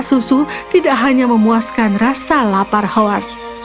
kata kata gadis itu dan segelas susu tidak hanya memuaskan rasa lapar howard